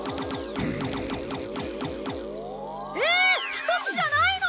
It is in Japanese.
１つじゃないの！？